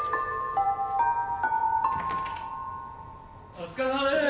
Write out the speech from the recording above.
お疲れさまです。